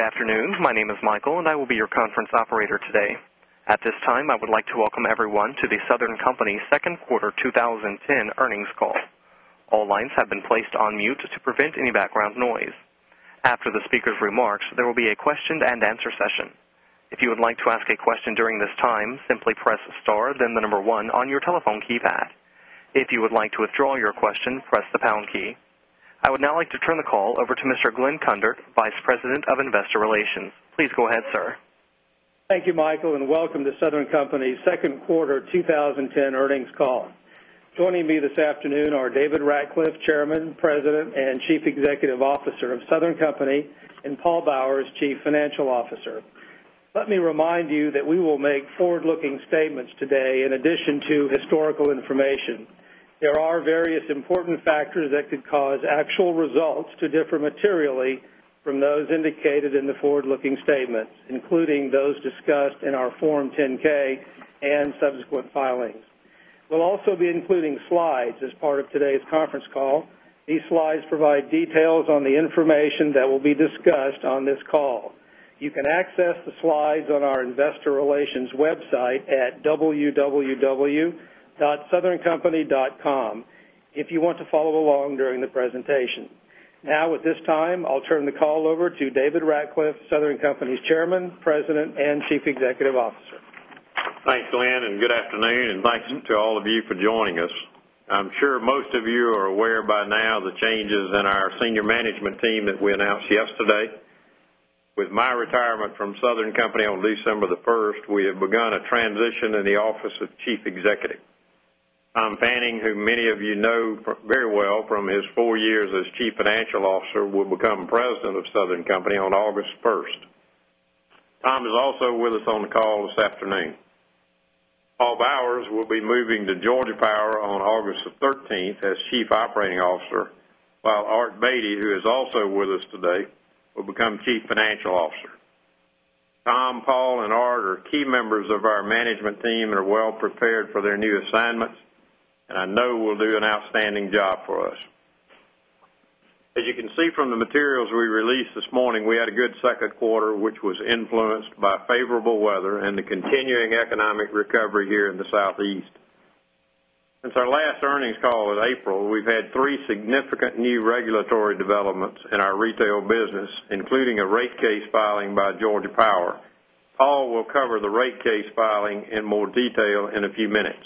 Afternoon. My name is Michael, and I will be your conference operator today. At this time, I would like to welcome everyone to The Southern Company's Second Quarter 2010 Earnings Call. All lines have been placed on mute to prevent any background noise. After the speakers' remarks, there will be a question and answer I would now like to turn the call over to Mr. Glenn Cundart, Vice President of Investor Relations. Please go ahead, sir. Thank you, Michael, and welcome to Southern Company's 2nd quarter 2010 earnings call. Joining me this afternoon are David Ratcliffe, Chairman, President and Chief Executive Officer of Southern Company and Paul Bowers, Chief Financial Officer. Let me remind you that we will make forward looking statements today in addition to historical information. There are various important factors that could cause actual results to differ materially from those indicated in the forward looking statements, including those discussed in our Form 10 ks and subsequent filings. We'll also be including slides as part of today's conference call. These slides provide details on the information that will be discussed on this call. You can access the slides on our Investor Relations Web site at www.southerncompany.com if you want to follow along during the presentation. Now at this time, I'll turn the call over to David Ratcliffe, Southern Company's Chairman, President and Chief Executive Officer. Thanks, Glenn, and good afternoon, and thanks to all of you for joining us. I'm sure most of you are aware by now the changes in our senior management team that we announced yesterday. With my retirement from Southern Company on December 1, we have begun a transition in the office of Chief Executive. Tom Fanning, who many of you know very well from his 4 years as Chief Financial Officer, will become President of Southern Company on August 1. Tom is also with us on the call this afternoon. Paul Bowers will be moving to Georgia Power on August 13 as Chief Operating Officer, while Art Beatty, who is also with us today, will become Chief Financial Officer. Tom, Paul and Art are key members of our management team and are well prepared for their new assignments and I know will do an outstanding job for us. As you can see from the materials we released this morning, we had a good second quarter, which was influenced by favorable weather and the continuing economic recovery here in the East. Since our last earnings call in April, we've had 3 significant new regulatory developments in our retail business, including a rate case filing by Georgia Power. Paul will cover the rate case filing in more detail in a few minutes.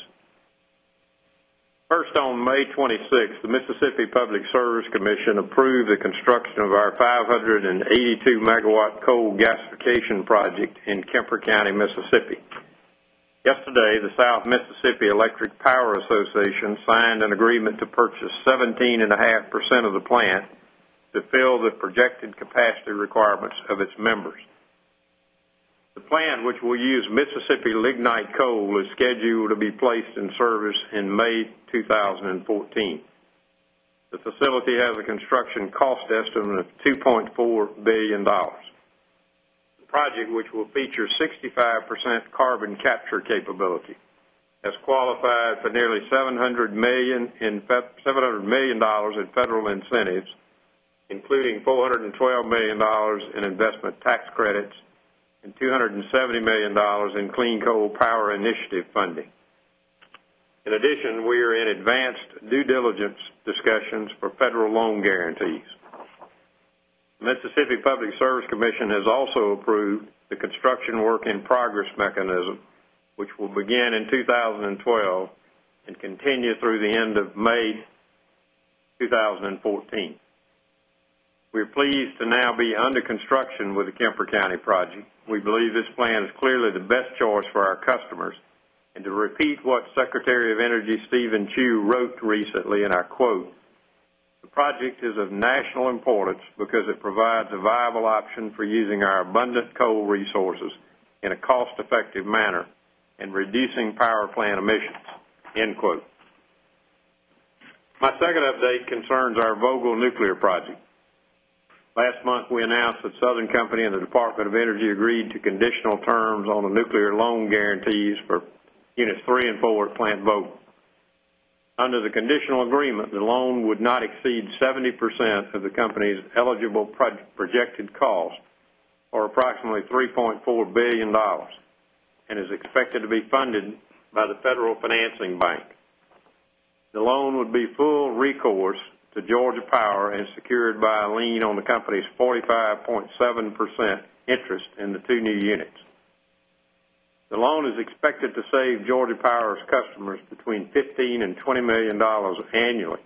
First, on May 26, the Mississippi Public Service Commission approved the construction of our 5 82 Megawatt Coal Gas Vacation Project in Kemper County, Mississippi. Yesterday, the South Mississippi Electric Power Association signed an agreement to purchase 17.5 percent of the plant to fill the projected capacity requirements of its members. The plant which will use Mississippi lignite coal is scheduled to be placed in service in May 2014. The facility has a construction cost estimate of $2,400,000,000 The project which will feature 65% carbon capture capability as qualified for nearly $700,000,000 in federal incentives, including $412,000,000 in investment credits and $270,000,000 in clean coal power initiative funding. In addition, we are in advanced due diligence discussions for federal loan guarantees. Mississippi Public Service Commission has also approved the construction work in progress mechanism, which will begin in 2012 and continue through the end of May 2014. We are pleased to now be under construction with the Kemper County project. We believe this plan is clearly the best choice for our customers and to repeat what Secretary of Energy, Steven Chu, wrote recently and I quote, the project is importance because it provides a viable option for using our abundant coal resources in a cost effective manner and reducing power plant emissions. My second update concerns our Vogtle nuclear project. Last month, we announced that Southern Company and the Department of Energy agreed to conditional terms on the nuclear loan guarantees for Units 34 at Plant Boat. Under the conditional agreement, the loan would not exceed 70% of the company's eligible projected cost or approximately $3,400,000,000 and is expected to be funded by the Federal Financing Bank. The loan would be full recourse to Georgia Power and secured by a lien on the company's 45.7% interest in the 2 new units. The loan is expected to save Georgia Power's customers between $15,000,000 $20,000,000 annually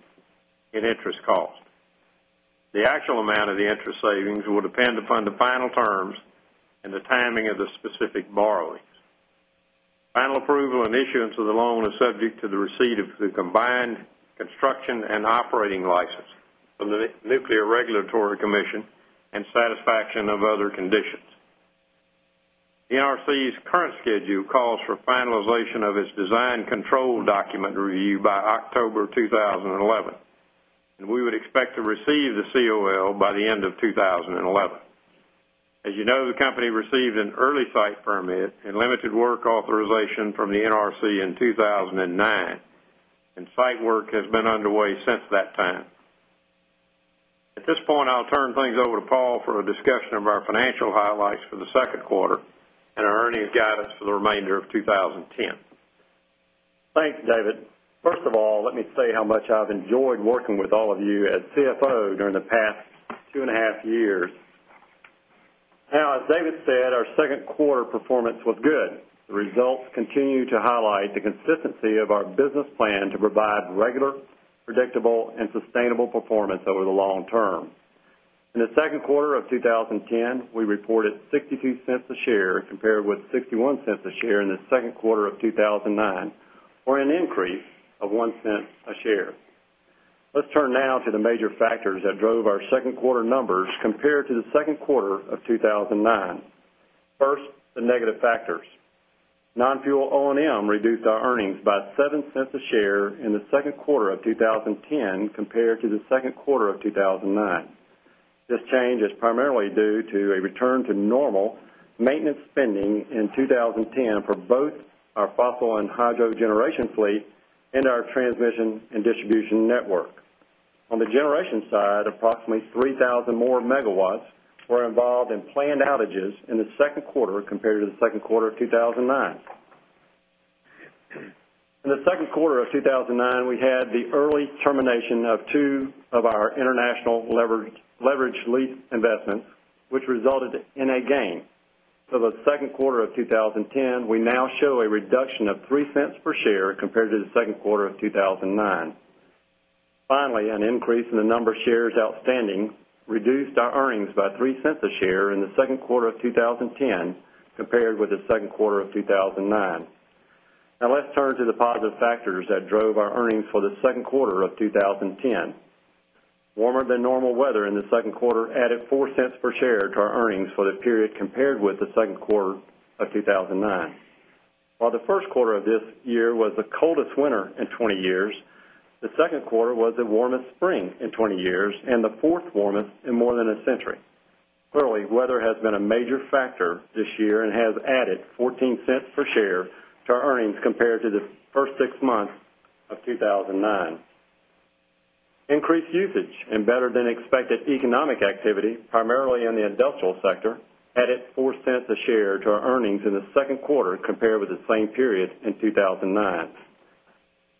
in interest cost. The actual amount of the interest savings will depend upon the final terms and the timing of the specific borrowings. Final approval and issuance of the loan is subject to the receipt of the combined construction and operating license of the Nuclear Regulatory Commission and satisfaction of other conditions. NRC's current schedule calls for finalization of its design control document review by October 2011. And we would expect to receive the COL by the end of 2011. As you know, the company received an early site permit and limited work authorization from the NRC in 2,009 and site work has been underway since that time. At this point, I'll turn things over to Paul for a discussion of our financial highlights for the Q2 and our earnings guidance for the remainder of 2010. Thanks, David. First of all, let me say how much I've enjoyed working with all of you as CFO during the past two and a half years. Now as David said, our 2nd quarter performance was good. The results continue to highlight the consistency of our business plan to provide regular, predictable and sustainable performance over the long term. In the Q2 of 2010, we reported $0.62 a share compared with $0.61 a share in the Q2 of 2019 or an increase of 0 point 2nd quarter numbers compared to the Q2 of 2019. First, the negative factors. Non fuel O and M reduced our earnings by $0.07 a share in the Q2 of 2010 compared to the Q2 of 2,009. This change is primarily due to a return to normal maintenance spending in 2010 for both our fossil and hydro generation fleet and our transmission and distribution network. On the generation side, approximately 3,000 more megawatts were involved in planned outages in the Q2 compared to the Q2 of 2,009. In the Q2 of 2019, we had the early termination of 2 of our international leveraged lease investments, which resulted in a gain. For the Q2 of 2010, we now show a reduction of $0.03 per share compared to the Q2 of 2,009. Finally, an increase in the number of shares outstanding reduced our earnings by $0.03 a share in the Q2 of 2010 compared with the Q2 of 2019. Now let's turn to the positive factors that drove our earnings for the Q2 of 2010. Warmer than normal weather in the Q2 added $0.04 per share to our earnings for the period compared with the Q2 of 2,009. While the Q1 of this year was the coldest winter in 20 years, the Q2 was the warmest spring in 20 years and the 4th warmest in more than a century. Clearly weather has been a major factor this year and has added $0.14 per share to our earnings compared to the 1st 6 months of 2,009. Increased usage and better than expected economic activity primarily in the industrial sector added $0.04 a share to our earnings in the 2nd quarter compared with the same period in 2,009.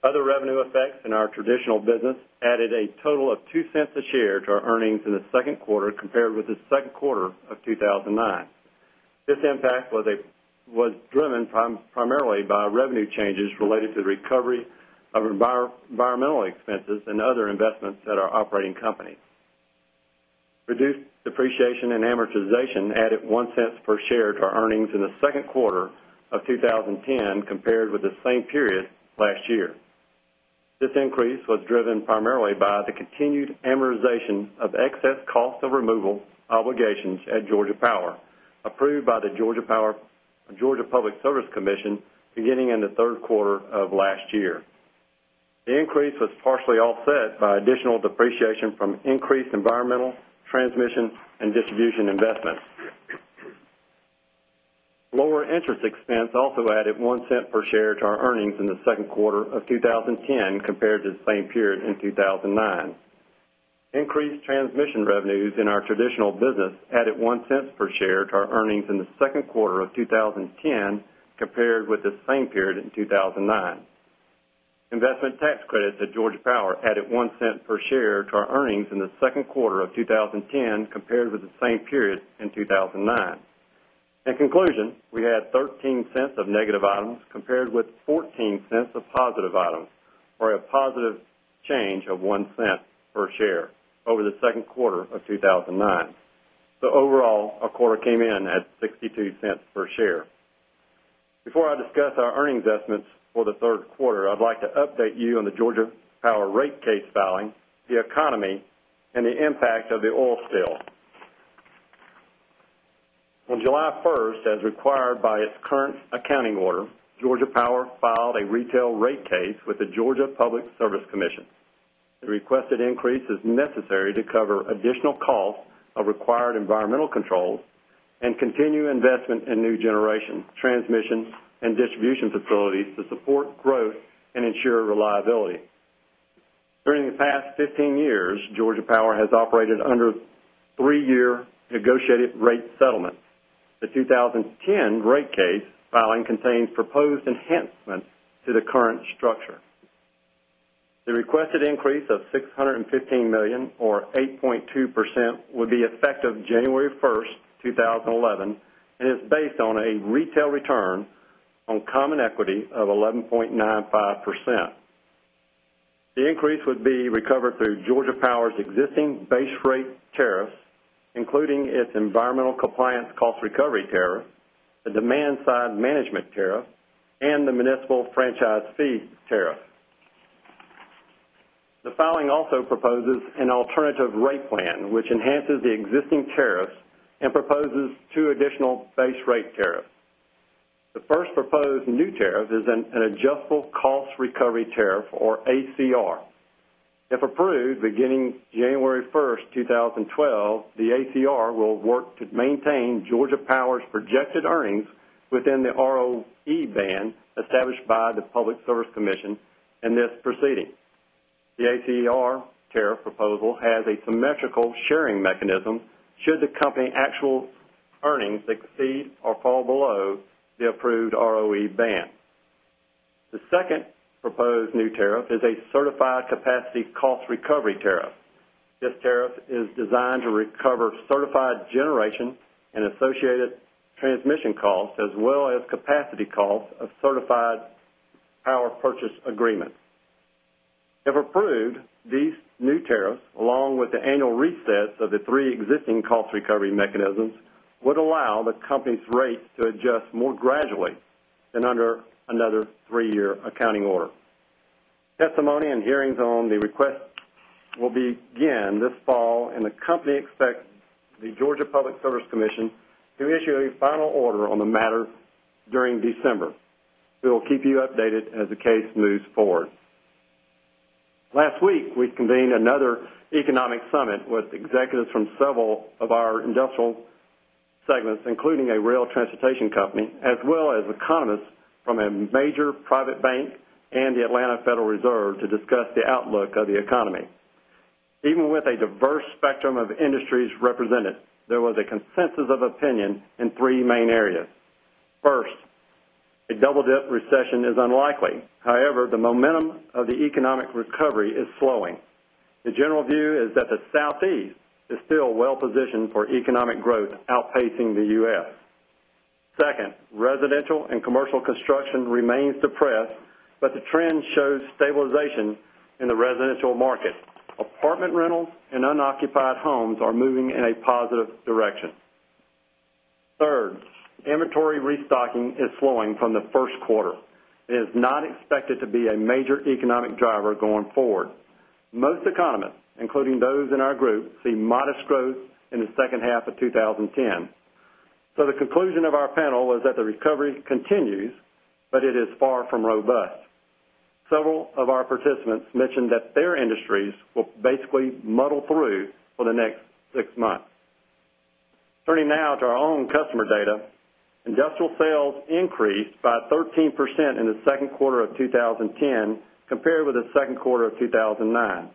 Other revenue effects in our traditional business added a total of $0.02 a share to our earnings in the Q2 compared with the Q2 of 2,009. This impact was driven primarily by revenue changes related to the recovery of environmental expenses and other investments at our operating company. Reduced depreciation and amortization added $0.01 per share to our earnings in the Q2 of 2010 compared with the same period last year. This increase was driven primarily by the continued amortization of excess cost of removal obligations at Georgia Power approved by the Georgia Power Georgia Public Service Commission beginning in Q3 of last year. The increase was partially offset by additional depreciation from increased environmental, transmission and distribution investments. Lower interest expense also added $0.01 per share to our earnings in the Q2 of 2010 compared to the same period in 2,009. Increased transmission revenues in our traditional business added $0.01 per share to our earnings in the Q2 of 2010 compared with the same period in 2,009. Investment tax credits at Georgia Power added $0.01 per share to our earnings in the Q2 of 2010 compared with the same period in 2,009. In conclusion, we had $0.13 of negative items compared with $0.14 of positive items or a positive change of $0.01 per share over the Q2 of 2,009. So overall, our quarter came in at $0.62 per share. Before I discuss our earnings estimates for the Q3, I'd like to update you on the Georgia Power rate case filing, the economy and the impact of the oil spill. On July 1, as required by its current accounting order, Georgia Power filed a retail rate case with the Georgia Public Service Commission. The requested increase is necessary to cover additional costs of required environmental controls and continue investment in new generation, transmission and distribution facilities to support growth and ensure reliability. During the past 15 years, Georgia Power has operated under 3 year negotiated rate settlement. The 2010 rate case filing contains proposed enhancements to the current structure. The requested increase of $615,000,000 or 8.2 percent would be effective January 1, 2011 and is based on a retail return on common equity of 11.95%. The increase would be recovered through Georgia Power's existing base rate tariffs, including its environmental compliance cost recovery tariff, the demand side management tariff and the municipal franchise fee tariff. The filing also proposes an alternative rate plan, which enhances the existing tariffs and proposes 2 additional base rate tariffs. The first proposed new tariff is an adjustable cost recovery tariff or ACR. If approved beginning January 1, 2012, the ACR will work to maintain Georgia Power's projected earnings within the ROE band established by the Public Service Commission in this proceeding. The ATR tariff proposal has a symmetrical sharing mechanism should the company actual earnings exceed or fall below the approved ROE band. The second proposed new tariff is a certified capacity cost recovery tariff. This tariff is designed to recover certified generation and associated transmission costs as well as capacity costs of certified power purchase agreement. If approved, these new tariffs along with the annual resets of the 3 existing cost recovery mechanisms would allow the company's rates to adjust more gradually than under another 3 year accounting order. Testimony and hearings on the request will begin this fall and the company expects the Georgia Public Service Commission to issue a final order on the matter during December. We will keep you updated as the case moves forward. Last week, we convened another economic summit with executives from several of our industrial segments, including a rail transportation company as well as economists from a major private bank and the Atlanta Federal Reserve to discuss the outlook of the economy. Even with a diverse spectrum of industries represented, there was a consensus of opinion in 3 main areas. 1st, a double dip recession is unlikely. However, the momentum of the economic recovery is slowing. The general view is that the Southeast is still well positioned for economic growth outpacing the U. S. 2nd, residential and commercial construction remains depressed, but the trend shows stabilization in the residential market. Apartment rentals and unoccupied homes are moving in a positive direction. 3rd, inventory restocking is slowing from the Q1. It is not expected to be a major economic driver going forward. Most economists, including those in our group, see modest growth in the second half of twenty ten. So the conclusion of our panel is that the recovery continues, but it is far from robust. Several of our participants mentioned that their industries will basically muddle through for the next 6 months. Turning now to our own customer data. Industrial sales increased by 13% in the Q2 of 2010 compared with the Q2 of 2009.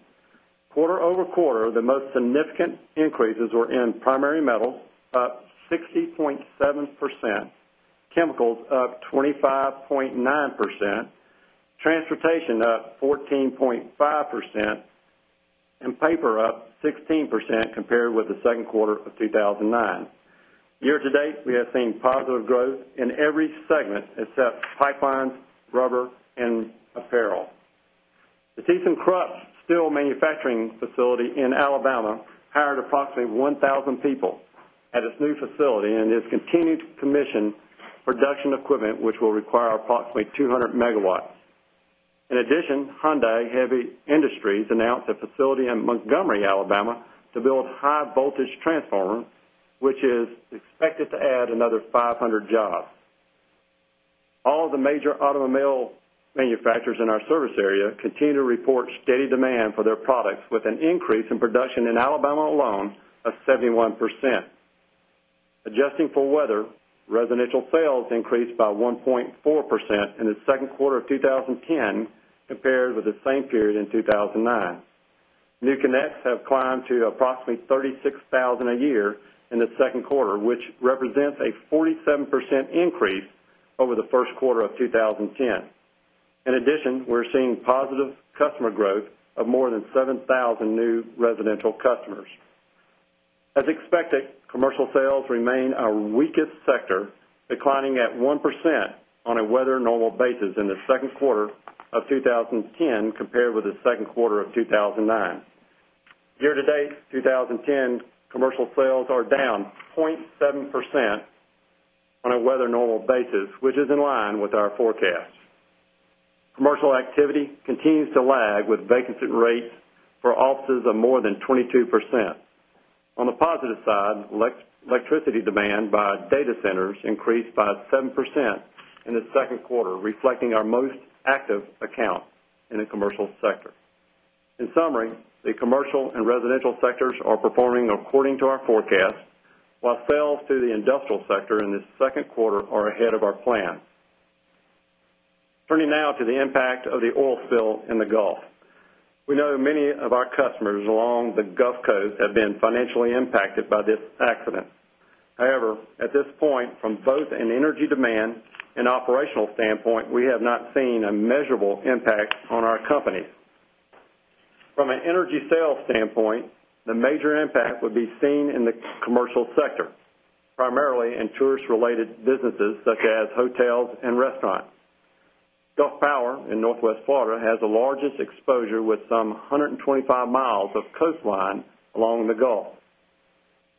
Quarter over quarter, the most significant increases were in primary metals, up 60.7%, Chemicals, up 25.9%, Transportation, up 14.5% and Paper up 16% compared with the Q2 of 2009. Year to date, we have seen positive growth in every segment except pipelines, rubber and apparel. The Tees and Krupp Steel Manufacturing Facility in Alabama hired approximately 1,000 people at its new facility and is continuing to commission production equipment, which will require approximately 200 megawatts. In addition, Hyundai Heavy Industries announced a facility in Montgomery, Alabama to build high voltage transformer, which is expected to add another 500 jobs. All of the major automobile manufacturers in our service area continue to report steady demand for their products with an increase in production in Alabama alone of 71%. Adjusting for weather, residential sales increased by 1.4% in the Q2 of 2010 compared with the same period in 2,009. New connects have climbed to approximately 36,000 a year in the Q2, which represents a 47% increase over the Q1 of 2010. In addition, we're seeing positive customer growth of more than 7,000 new residential customers. As expected, commercial sales remain our weakest sector declining at 1% on a weather normal basis in the Q2 of 2010 compared with the Q2 of 2009. Year to date, 20 10 commercial sales are down 0.7% on a weather normal basis, which is in line with our forecast. Commercial activity continues to lag with vacancy rates for offices of more than 22%. On the positive side, electricity demand by data centers increased by 7% in the Q2 reflecting our most active account in the commercial sector. In summary, the commercial and residential sectors are performing according to our forecast, while sales to the industrial sector in the second quarter are ahead of our plan. Turning now to the impact of the oil spill in the Gulf. We know many of our customers along the Gulf Coast have been financially impacted by this accident. However, at this point, from both an energy demand and operational standpoint, we have not seen a measurable impact on our company. From an energy sales standpoint, the major impact would be seen in the commercial sector, primarily in tourist related businesses such as hotels and restaurants. Gulf Power in Northwest Florida has the largest exposure with some 125 miles of coastline along the Gulf.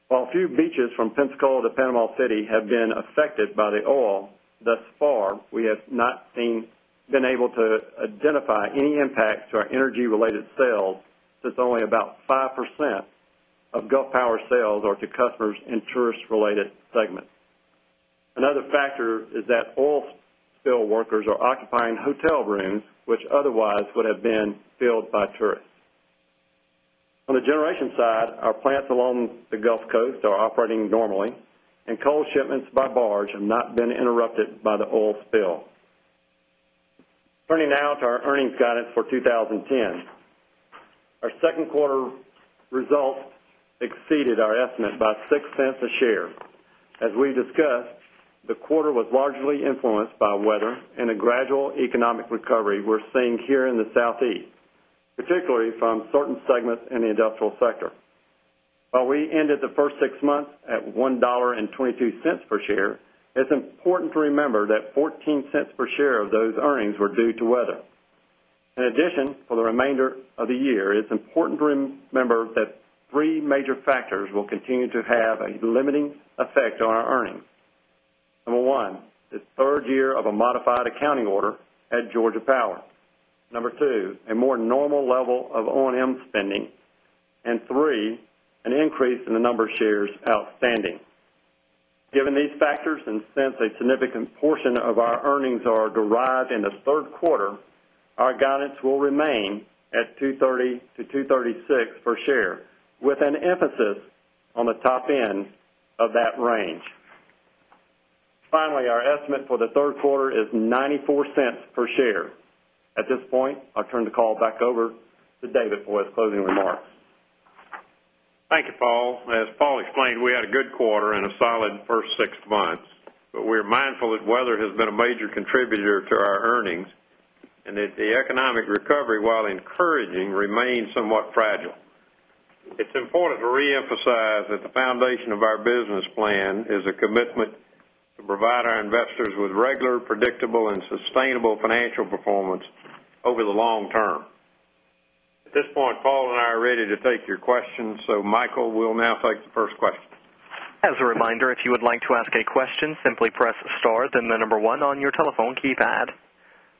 While few beaches from Pensacola to Panama City have been affected by the oil, thus far we have not seen been able to identify any impact to our energy related sales since only about 5% of Gulf Power sales are to customers in tourist related segments. Another factor is that oil spill workers are occupying hotel rooms, which otherwise would have been filled by tourists. On the generation side, our plants along the Gulf Coast are operating normally and coal shipments by barge have not been interrupted by the oil spill. Turning now to our earnings guidance for 20.10. Our 2nd quarter results exceeded our estimate by $0.06 a share. As we discussed, the quarter was largely influenced by weather and a gradual economic recovery we're seeing here in the Southeast, particularly from certain segments in the industrial sector. While we ended the 1st 6 months at $1.22 per share, it's important to remember that $0.14 per share of those earnings were due to weather. In addition, for the remainder of the year, it's important to remember that 3 major factors will continue to have a limiting effect on our earnings. Number 1, the 3rd year of a modified accounting order at Georgia Power. Number 2, a more normal level of O and M spending. And 3, an increase in the number of shares outstanding. Given these factors and since a significant portion of our earnings are derived in the 3rd quarter, our guidance will remain at $2.30 to $2.36 per share with an emphasis on the top end of that range. Finally, our estimate for the Q3 is $0.94 per share. At this point, I'll turn the call back over to David for his closing remarks. Thank you, Paul. As Paul explained, we had a good quarter and a solid 1st 6 months. But we are mindful that weather has been a major contributor to our earnings and that the economic recovery, while encouraging, remains somewhat fragile. It's important to reemphasize that the foundation of our business plan is a commitment to provide our investors with regular, predictable and sustainable financial performance over the long term. At this point, Paul and I are ready to take your questions. So Michael, we'll now take the first question.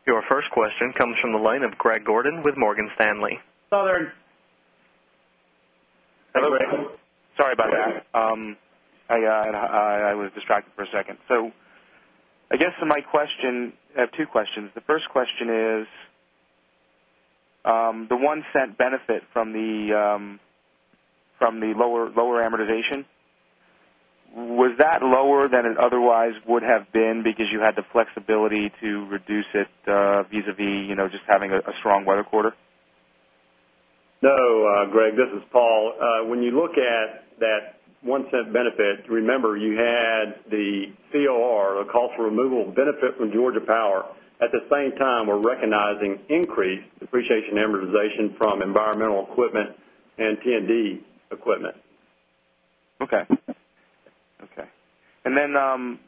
Your first question comes from the line of Greg Gordon with Morgan Stanley. Sorry about that. I was distracted for a second. So I guess my question I have 2 questions. The first question is, the $0.01 benefit from the lower amortization, was that lower than it otherwise would have been because you had the flexibility to reduce it visavis just having a strong weather quarter? No, Greg, this is Paul. When you look at that $0.01 benefit, remember you had the COR, the cost for removal benefit from Georgia Power. At the same time, we're recognizing increased depreciation and amortization from environmental equipment and T and D equipment. Okay. Okay. And then,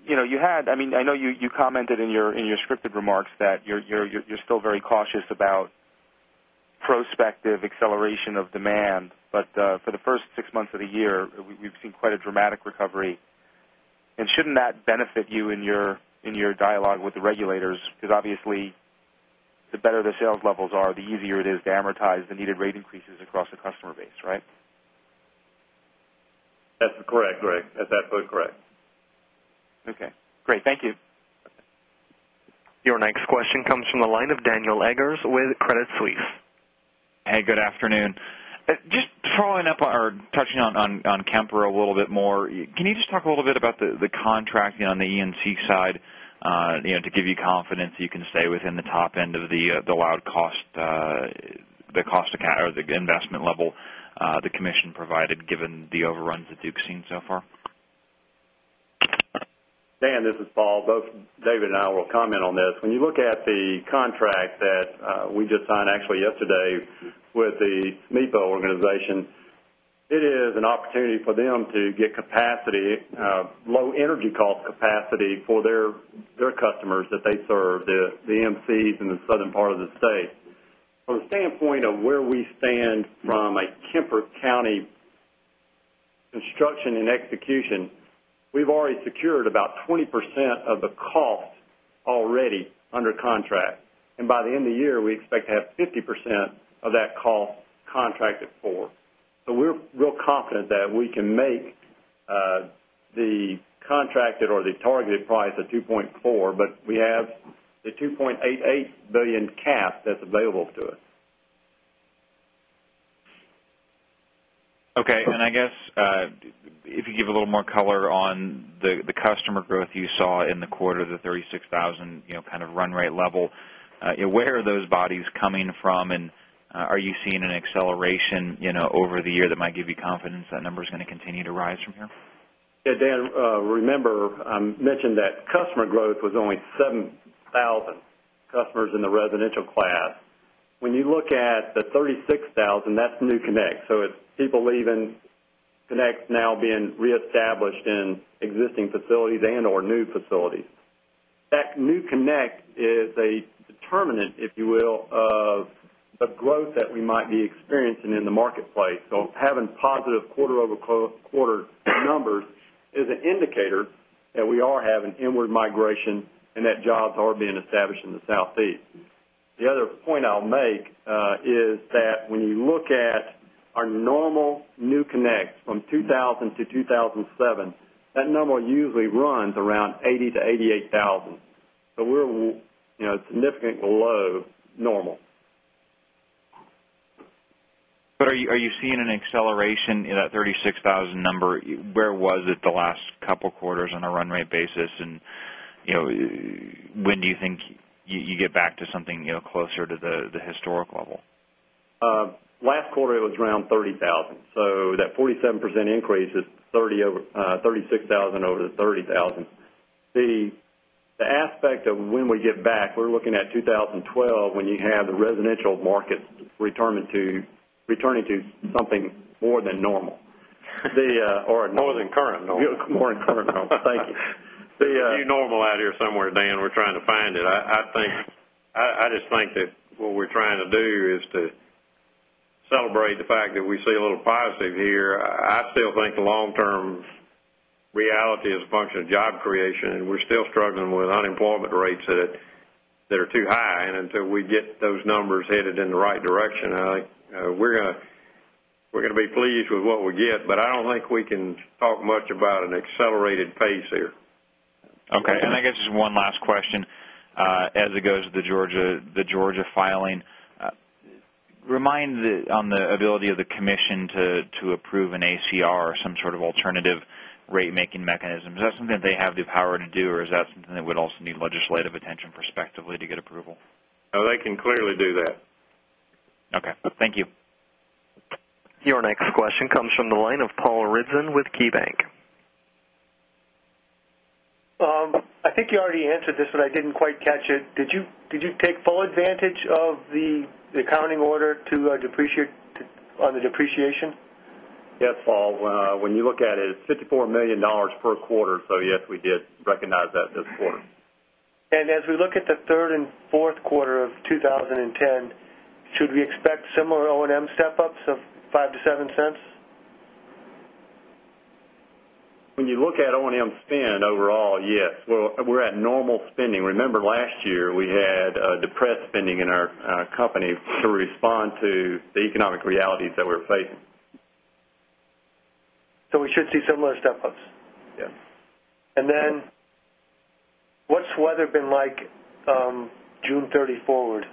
you had I mean, I know you commented in your scripted remarks that you're still very cautious about prospective acceleration of demand. But for the 1st 6 months of the year, we've seen quite a dramatic recovery. And shouldn't that benefit you in your dialogue with the regulators? Because obviously, the better the sales levels are, the easier it is to amortize the needed rate increases across customer base, right? That's correct, Greg. That's absolutely correct. Okay, great. Thank you. Your next question comes from the line of Daniel Leggers with Credit Suisse. Hey, good afternoon. Just following up or touching on Kemper a little bit more, can you just talk a little bit about the contracting on the E and C side, to give you confidence you can stay within the top end of the allowed cost the cost or the investment level the commission provided given the overruns that Duke has seen so far? Dan, this is Paul. Both David and I will comment on this. When you look at the contract that we just signed actually yesterday with the Smeepo organization, it is an opportunity for them to get capacity, low energy cost capacity for their customers that they serve, the MCs in the southern part of the state. From the standpoint of where we stand from a Kemper County construction and execution, we've already secured about 20% of the cost already under contract. And by the end of the year, we expect to have 50% of that cost contracted for. So we're real confident that we can make the contracted or the targeted price of $2,400,000,000 but we have the $2,880,000,000 cap that's available to us. Okay. And I guess, if you give a little more color on the customer growth you saw in the quarter, the 36,000 kind of run rate level. Where are those bodies coming from? And are you seeing an acceleration over the year that might give you confidence that number is going to continue to rise from here? Yes, Dan, remember, I mentioned that customer growth was only 7,000 customers in the residential class. When you look at the 36,000, that's new Connect. So it's people leaving Connect now being reestablished in existing facilities and or new facilities. That new connect is a determinant if you will of the growth that we might be experiencing in the marketplace. So having positive quarter over quarter numbers is an indicator that we are having inward migration and that jobs are being established in the Southeast. The other point I'll make is that when you look at our normal new connect from 2000 to 2,007, that number usually runs around 80,000 to 88,000. So we're significantly low normal. But are you seeing an acceleration in that $36,000 number? Where was it the last couple of quarters on a run rate basis? And when do you think you get back to something closer to the historic level? Last quarter, it was around 30,000. So that 47% increase is 36,000 over the 30,000. The aspect of when we get back, we're looking at 2012 when you have the residential markets returning to something more than normal. More than current normal. More than current normal. Thank you. You normal out here somewhere, Dan. We're trying to find it. I think I just think that what we're trying to do is to celebrate the fact that we see a little positive here. I still think the long term reality is a function of job creation and we're still struggling with unemployment rates that are too high. And until we get those numbers headed in the right direction, I think we're going to be pleased with what we get, but I don't think we can talk much about an accelerated pace here. Okay. And I guess just one last question. As it goes to the Georgia filing, Remind on the ability of the commission to approve an ACR or some sort of alternative rate making mechanisms. Is that something that they have the power to do? Or is that something that would also need legislative attention prospectively to get approval? No, they can clearly do that. Okay. Thank you. Your next question comes from the line of Paul Ridzon with KeyBanc. I think you already answered this, but I didn't quite catch it. Did you take full advantage of the accounting order to depreciate on the depreciation? Yes, Paul. When you look at it, it's $54,000,000 per quarter. So yes, we did recognize that this quarter. And as we look at the 3rd Q4 of 2010, should we expect similar O and M step ups of $0.05 to $0.07 When you look at O and M spend overall, yes, we're at normal spending. Remember last year we had depressed spending in our company to respond to the economic realities that we're facing. So we should see similar step ups? Yes. And then what's weather been like June 30 forward?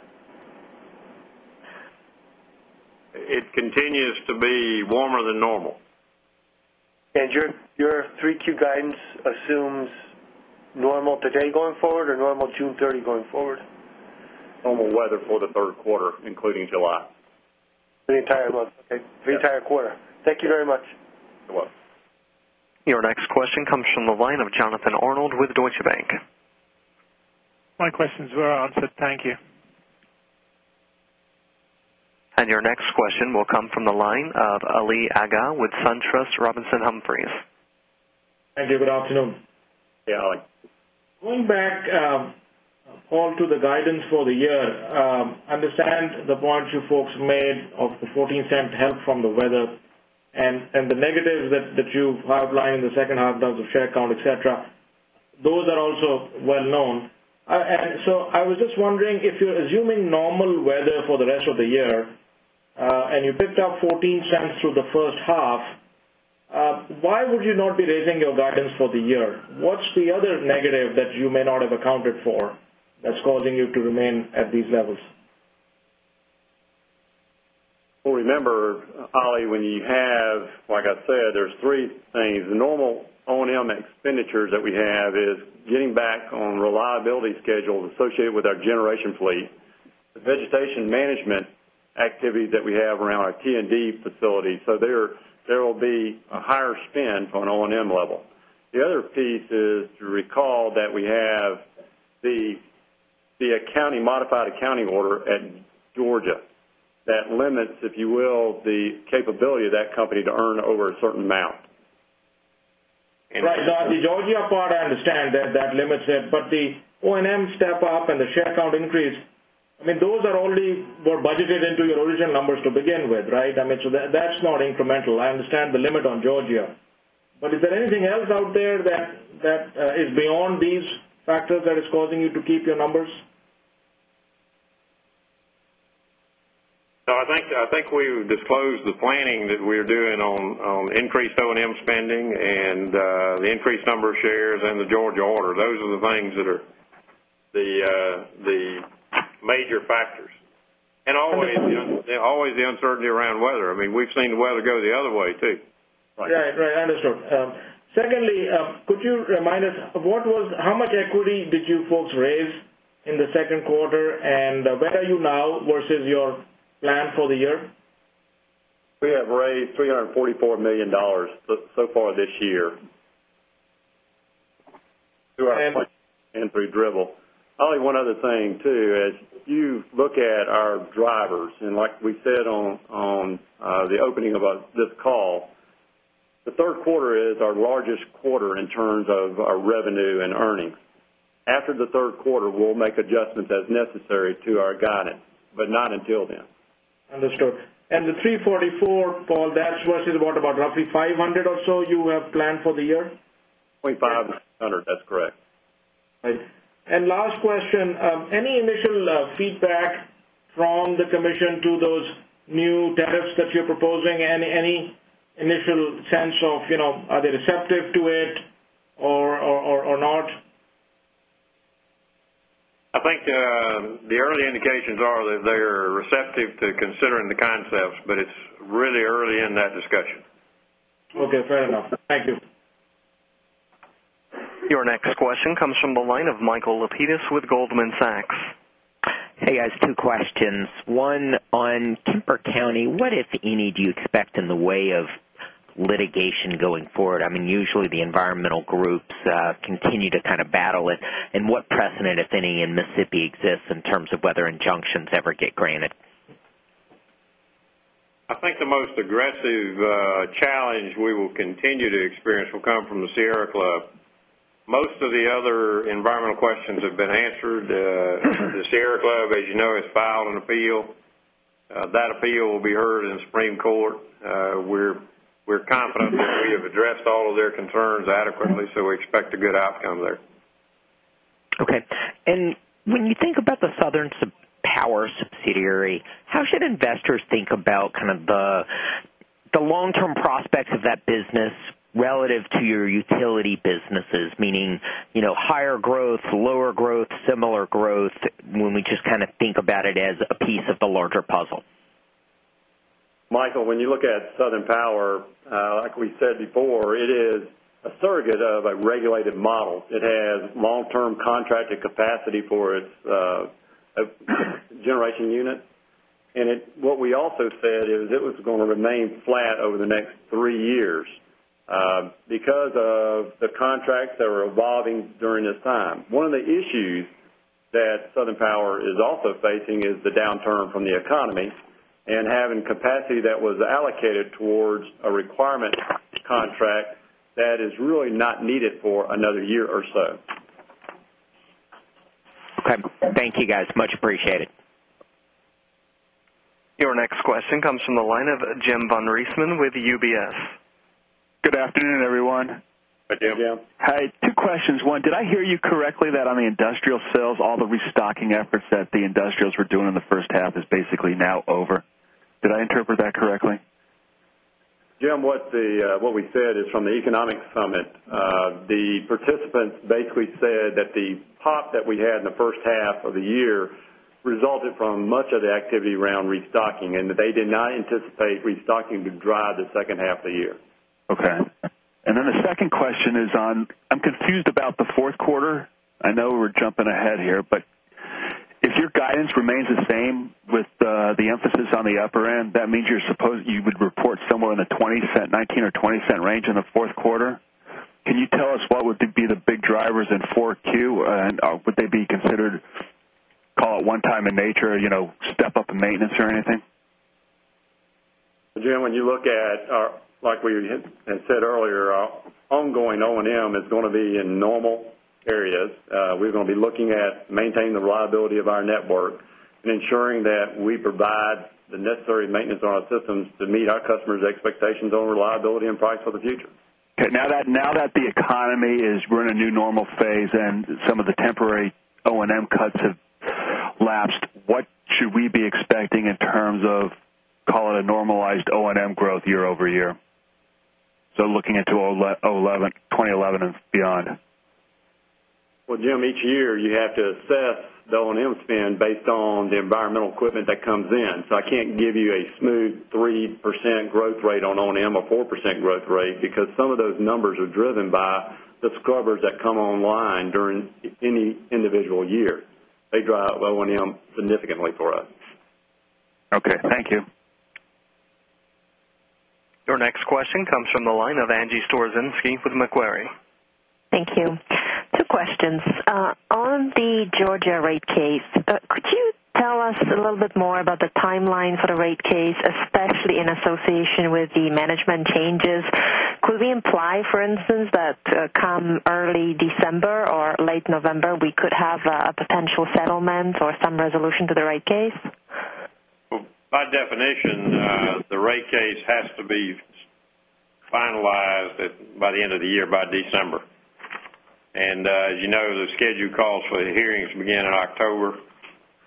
It continues to be warmer than normal. And your 3Q guidance assumes normal today going forward or normal June 30 going forward? Normal weather for the Q3 including July. The entire month, okay. The entire quarter. Thank you very much. You're welcome. Your next question comes from the line of Jonathan Arnold with Deutsche Bank. My questions were answered. Thank you. And your next question will come from the line of Ali Agha with SunTrust Robinson Humphries. Thank you. Good afternoon. Hey Ali. Going back on to the guidance for the year, I understand the point you folks made of the $0.14 help from the weather and the negatives that you outlined in the second half, those of share count, etcetera. Those are also well known. And so I was just wondering, if you're assuming normal weather for the rest of the year and you picked up $0.14 through the first half, why would you not be raising your guidance for the year? What's the other negative that you may not have accounted for that's causing you to remain at these levels? Well, remember, Ali, when you have like I said, there's 3 things. The normal O and M expenditures that we have is getting back on reliability schedules associated with our generation fleet, the vegetation management activity that we have around our T and D facility. So there will be a higher spend on O and M level. The other piece is to recall that we have the accounting modified accounting order at Georgia that limits, if you will, the capability of that company to earn over a certain amount. Right. The Georgia part, I understand that that limits it. But the O and M step up and the share count increase, I mean, those are already budgeted into your original numbers to begin with, right? I mean so that's not incremental. I understand the limit on Georgia. But is there anything else out there that is beyond these factors that is causing you to keep your numbers? No, I think we disclosed the planning that we're doing on increased O and M spending and the increased number of and the Georgia order. Those are the things that are the major factors. And always the uncertainty around weather. We've seen the weather go the other way too. Yes, right. Understood. Secondly, could you remind us what was how much equity did you folks raise in the Q2 and where are you now versus your plan for the year? We have raised $344,000,000 so far this year through our pipeline and through Dribbble. Holly, one other thing too, as you look at our drivers and like we said on the opening of this call, the Q3 is our largest quarter in terms of our revenue and earnings. After the Q3, we'll make adjustments as necessary to our guidance, but not until then. Understood. And the $344,000,000 Paul, that's versus what about roughly $500,000,000 or so you have planned for the year? $500,000,000 to $600,000,000 that's correct. And last question, any initial feedback from the commission to those new tariffs that you're proposing? And any initial sense of are they receptive to it or not? I think the early indications are that they're receptive to considering the concepts, but it's really early in that discussion. Okay. Fair enough. Thank you. Your next question comes from the line of Michael Lapides with Goldman Sachs. Hey guys, two questions. One on Kemper County, what if any do you expect in the way of litigation going forward? I mean usually the environmental groups continue to kind of battle it and what precedent if any in Mississippi exists in terms of whether injunctions ever get granted? I think the most aggressive challenge we will continue to experience will come from the Sierra Club. Most of the other environmental questions have been answered. The Sierra Club as you know has filed an appeal. That appeal will be heard in Supreme Court. We're confident that we have addressed all of their concerns adequately, so we expect a good outcome there. Okay. And when you think about the Southern Power subsidiary, how should investors think about kind of the long term prospects of that business relative to your utility businesses, meaning higher growth, lower growth, similar growth when we just kind of think about it as a piece of the larger puzzle? Michael, when you look at Southern Power, like we said before, it is a surrogate of a regulated model. It has long term contracted capacity for its generation unit. And what we also said is it was going to remain flat over the next 3 years because of the contracts that were evolving during this time. One of the issues that Southern Power is also facing is the downturn from the economy and having capacity that was allocated towards a requirement contract that is really not needed for another year or so. Okay. Thank you guys. Much appreciated. Your next question comes from the line of Jim Von Reisman with UBS. Good afternoon, everyone. Hi, Jim. Hi, Jim. Hi. Two questions. 1, did I hear you correctly that on the industrial sales, all the restocking efforts that the industrials were doing in the first half is basically now over? Did I interpret that correctly? Jim, what we said is from the economic summit, the participants basically said that the pop that we had in the first half of the year resulted from much of the activity around restocking and they did not anticipate restocking to drive the second half of the year. Okay. And then the second question is on, I'm confused about the 4th quarter. I know we're jumping ahead here, but if your guidance remains the same with the emphasis on the upper end, that means you're supposed you would report somewhere in the $0.20 range in the Q4. Can you tell us what would be the big drivers in 4Q? And would they be considered, call it, one time in nature, step up in maintenance or anything? Jim, when you look at like we had said earlier, ongoing O and M is going to be in normal areas. We're going to be looking at maintaining the reliability of our network and ensuring that we provide the necessary maintenance on our systems to meet our customers' expectations on reliability and price for the future. Okay. Now that the economy is we're in a new normal phase and some of the temporary O and M cuts have lapsed, what should we be expecting in terms of call it a normalized O and M growth year over year, so looking into 2011 and beyond? Well, Jim, each year you have to assess the O and M spend based on the environmental equipment that comes in. I can't give you a smooth 3% growth rate on O and M or 4% growth rate because some of those numbers are driven by the scrubbers that come online during any individual year. They drive O and M significantly for us. Okay. Thank you. Your next question comes from the line of Angie Storozynski with Macquarie. Thank you. Two questions. On the Georgia rate case, could you tell us a little bit more about the timeline for the rate case, especially in association with the management changes? Could we imply, for instance, that come early December or late November, we could a potential settlement or some resolution to the rate case? By definition, the rate case has to be finalized by the end of the year by December. And as you know, the scheduled calls for the hearings begin in October.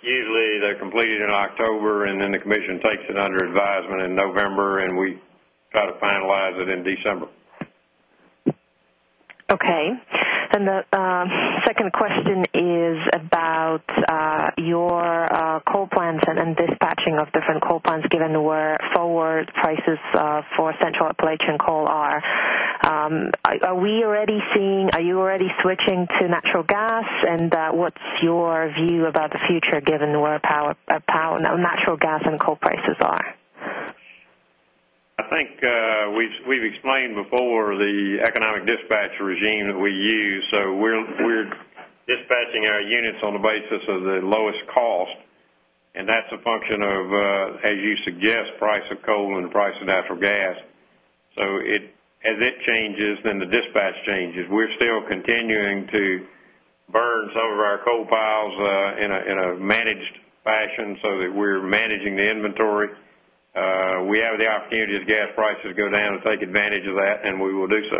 Usually, they're completed in October and then the commission takes it under advisement in November and we try to finalize it in December. Okay. And the second question is about your coal plants and dispatching of coal plants given where forward prices for Central Appalachian coal are. Are we already seeing are you already switching to natural gas? And what's your view about the future given where power natural gas and coal prices are? I think we've explained before the economic dispatch regime that we use. So we're dispatching our units on the basis of the lowest cost and that's a function of as you suggest price of coal and the price of natural gas. So as it changes then the dispatch changes. We're still continuing to burn some of our coal piles in a managed fashion so that we're managing the inventory. We have the opportunity as gas prices go down and take advantage of that and we will do so.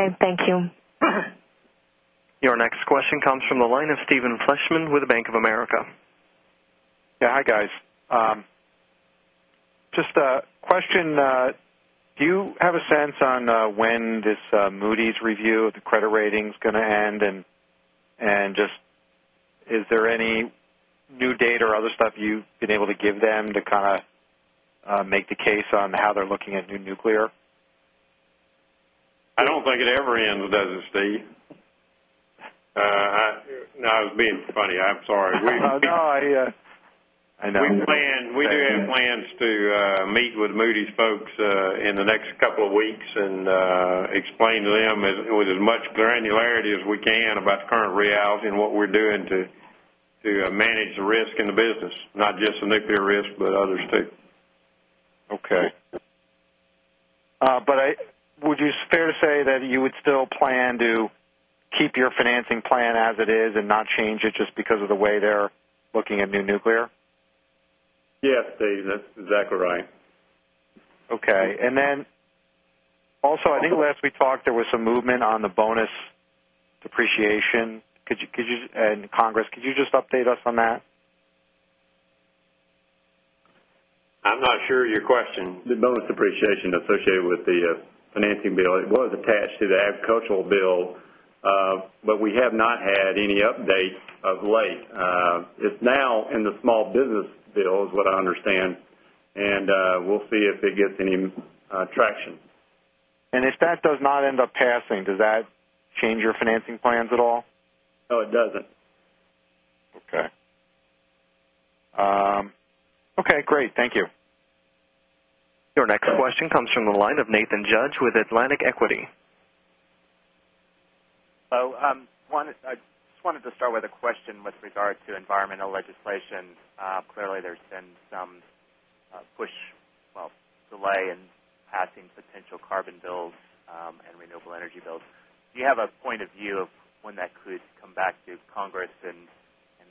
Okay. Thank you. Your next question comes from the line of Stephen Fleishman with Bank of America. Yes. Hi, guys. Just a question, do you have a sense on when this Moody's review of the credit rating is going to end? And just is there any new data or other stuff you've been able to give them to kind of make the case on how they're looking at new nuclear? I don't think it ever ends, does it Steve. No, I was being funny. I'm sorry. No, I hear you. We do have plans to meet with Moody's folks in the next couple of weeks and explain to them with as much granularity as we can about the current reality and what we're doing to manage the risk in the business, not just the nuclear risk, but others too. Okay. But would it fair to say that you would still plan to keep your financing plan as it is and not change it just because of the way they're looking at new nuclear? Yes, Steve. That's exactly right. Okay. And then also, I think last we talked there was some movement on the bonus depreciation. Could you and Congress, could you just update us on that? I'm not sure of your question. The bonus depreciation associated with the financing bill, it was attached to the agricultural bill, but we have not had any updates of late. It's now in the small business bill is what I understand and we'll see if it gets any traction. And if that does not end up passing, does that change your financing plans at all? No, it doesn't. Okay. Okay, great. Thank you. Your next question comes from the line of Nathan Judge with Atlantic Equity. Hello. I just I just wanted to start with a question with regard to environmental legislation. Clearly, there's been some push well, delay in passing potential carbon bills and renewable energy bills. Do you have a point of view of when that could come back to Congress and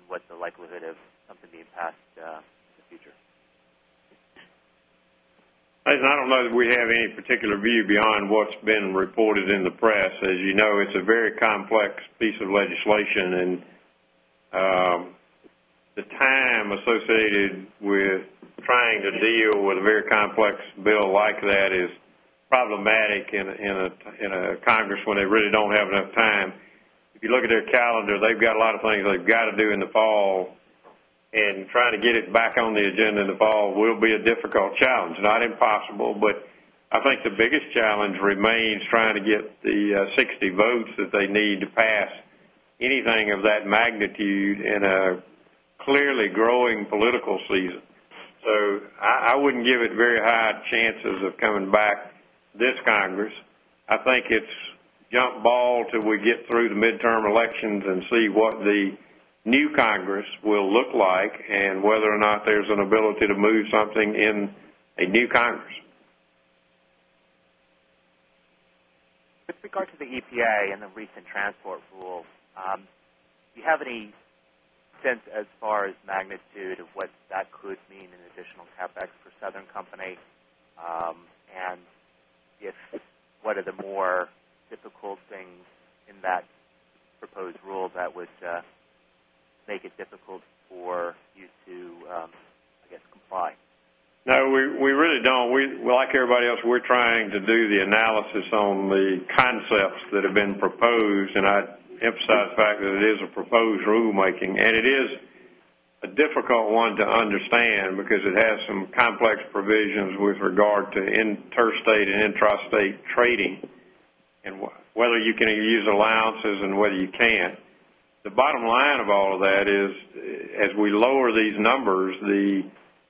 what the likelihood of something in the past future? I don't know that we have any particular view beyond what's been reported in the press. As you know, it's a very complex piece of legislation and the time associated with trying to deal with a very complex bill like that is problematic in a Congress when they really don't have enough time. If you look at their calendar, they've got a lot of things they've got to do in the fall and trying to get it back on the agenda in the fall will be a difficult challenge, not impossible. But I think the biggest challenge remains trying to get the 60 votes that they need to pass anything of that magnitude in a clearly growing political season. So I wouldn't give it very high chances of coming back this Congress. I think it's jump ball till we get through the midterm elections and see what the new Congress will look like and whether or not there's an ability to move something in a new Congress. With regard to the EPA and the recent transport rule, do you have any sense as far as magnitude of what that could mean in additional CapEx for Southern Company? And if what are the more difficult things in that proposed rule that would make it difficult for you to, guess, comply? No, we really don't. We like everybody else, we're trying to do the analysis on the concepts that have been proposed. And I emphasize the fact that it is a proposed rulemaking. And it is a difficult one to understand because it has some complex provisions with regard to in ter state and intrastate trading and whether you can use allowances and whether you can't. The bottom line of all of that is as we lower these numbers, the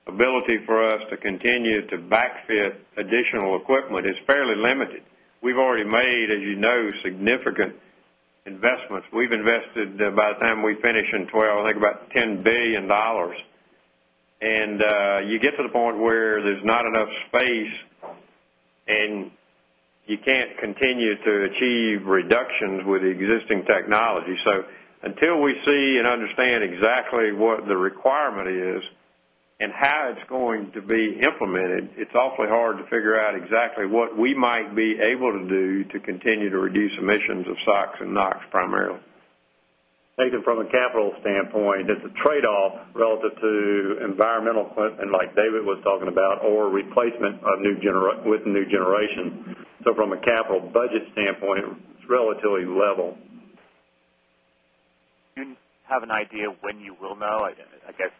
ability for us to continue to back fit additional equipment is fairly limited. We've already made, as you know, significant investments. We've invested by the time we finished in 2012, I think about $10,000,000,000 And you get to the point where there's not enough space and you can't continue to achieve reductions with the existing technology. So until we see and understand exactly what the requirement is and how it's going to be implemented, it's awfully hard to figure out exactly what we might be able to do to continue to reduce emissions of SOX and NOx primarily. Nathan, from a capital standpoint, it's a trade off relative to environmental and like David was talking about or replacement of new with new generation. So from a capital budget standpoint, it's relatively level. Do you have an idea when you will know? I guess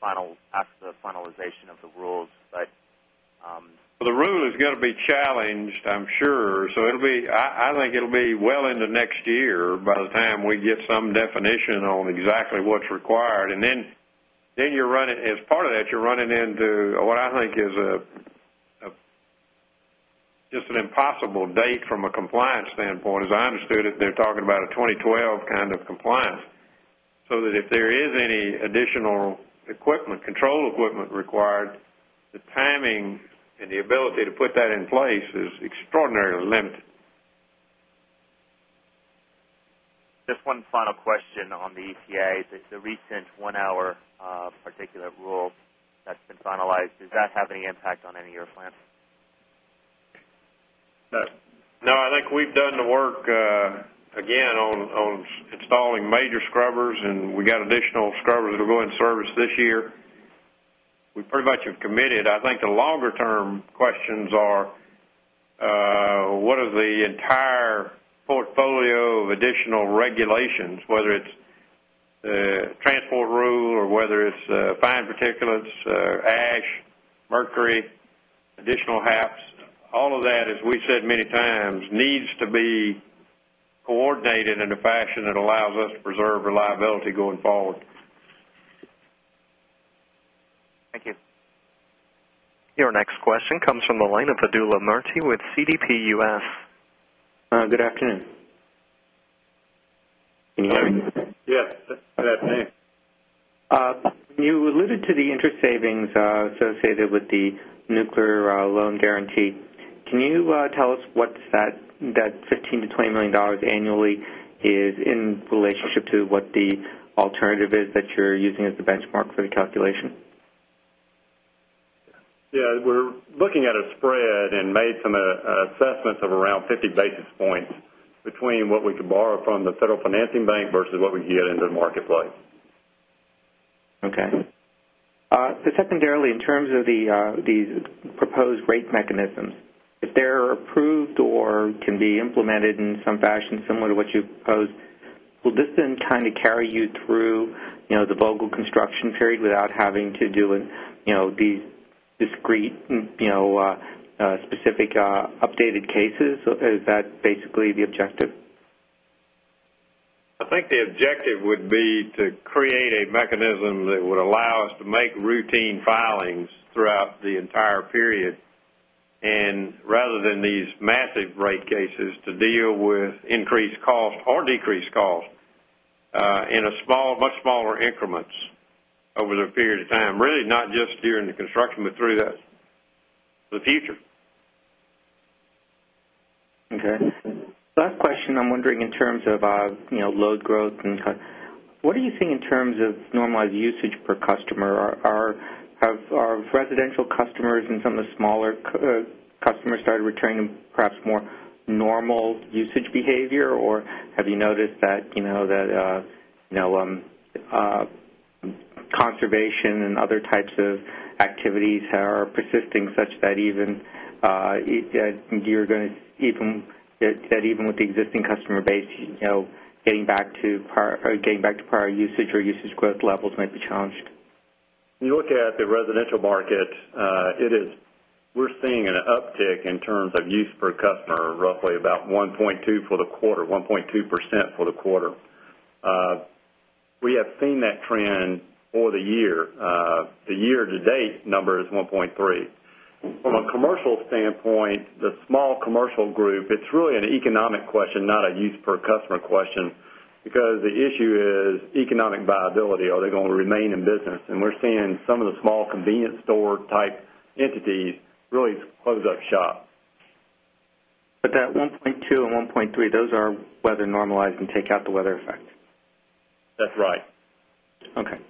final after the finalization of the rules, but The rule is going to be challenged, I'm sure. So it'll be I think it'll be well into next year by the time we get some definition on exactly what's required. And then you're running as part of that, you're running exactly what's required. And then you're running as part of that you're running into what I think is just an impossible date from a compliance standpoint. As I understood it, they're talking about a 2012 kind of compliance. So that if there is any additional equipment, control equipment required, the timing and the ability to put that in place is extraordinarily limited. Just one final question on the EPA. The recent 1 hour, particular rule that's been finalized, does that have any impact on any of your plants? No, I think we've done the work again on installing major scrubbers and we got additional scrubbers that will go in service this year. Pretty much have committed. I think the longer term questions are, what are the entire portfolio of additional regulations, whether it's the transport rule or whether it's fine particulates, ash, mercury, additional HAPS, all of that as we've said many times needs to be coordinated in a fashion that allows us preserve reliability going forward. Thank you. Your next question comes from the line of Vedula Murti with CDP US. Good afternoon. Can you hear me? Yes. Good afternoon. You alluded to the interest savings associated with the nuclear loan guarantee. Can you tell us what that $15,000,000 to $20,000,000 annually is in relationship to what the alternative is that you're using as the benchmark for the calculation? Yes. We're looking at a spread and made some assessments of around 50 basis points between what we could borrow from the Federal Financing Bank versus what we get into the marketplace. Okay. So secondarily, in terms of these proposed rate mechanisms, if they're approved or can be implemented in some fashion similar to what you proposed, will this then kind of carry you through the Vogtle construction period without having to do these discrete specific updated cases? Is that basically the objective? I think the objective would be to create a mechanism that would allow us to make routine filings throughout the entire period and rather than these massive rate cases to deal with increased cost or decreased cost in a small much smaller increments over the period of time, really not just during the construction, but through that for the future. Okay. Last question, I'm wondering in terms of load growth and what are you seeing in terms of normalized usage per customer? Have our residential customers and some of the smaller customers started returning perhaps more normal usage behavior? Or have you noticed that conservation and other types of activities are persisting such that even you're going to even with the existing customer base, getting back to prior usage or usage growth levels might be challenged? When you look at the residential market, it is we're seeing an uptick in terms of use per customer, roughly about 1.2% for the quarter, 1.2% for the quarter. We have seen that trend for the year. The year to date number is 1.3. From a commercial standpoint, the small commercial group, it's really an economic question, not a use per customer question, because the issue is economic viability, are they going to remain in business? And we're seeing some of the small convenience store type entities really close-up shop. But that 1.2 and 1.3, those are weather normalized and take out the weather effect? That's right. Okay.